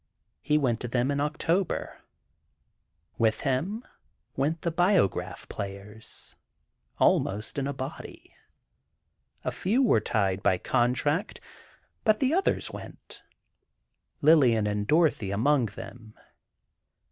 He went to them in October. With him went the Biograph players, almost in a body. A few were tied by contract, but the others went, Lillian and Dorothy among them.